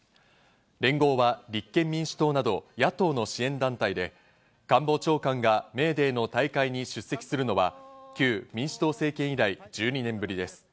連合は立憲民主党など野党の支援団体で、官房長官がメーデーの大会に出席するのは旧民主党政権以来１２年ぶりです。